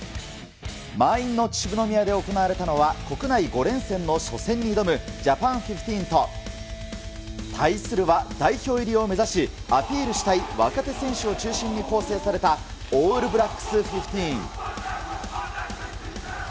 満員の秩父宮で行われたのは、国内５連戦の初戦に挑むジャパン・フィフティーンと、対するは、代表入りを目指し、アピールしたい若手選手を中心に構成されたオールブラックス・フィフティーン。